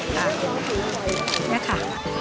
ค่ะอย่างนี้ค่ะ